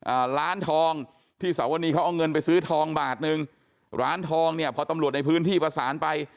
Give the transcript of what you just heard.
อ่าร้านทองที่สวนีเขาเอาเงินไปซื้อทองบาทหนึ่งร้านทองเนี่ยพอตำรวจในพื้นที่ประสานไป